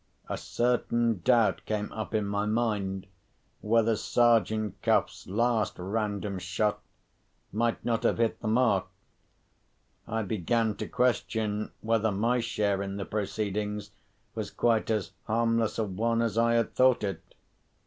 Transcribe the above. A certain doubt came up in my mind whether Sergeant Cuff's last random shot might not have hit the mark. I began to question whether my share in the proceedings was quite as harmless a one as I had thought it.